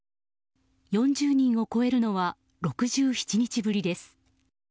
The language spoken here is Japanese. ４０人を越えるのは６７日ぶりです。